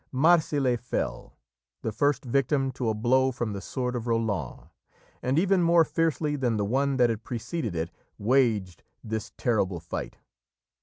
'" Marsile fell, the first victim to a blow from the sword of Roland, and even more fiercely than the one that had preceded it, waged this terrible fight.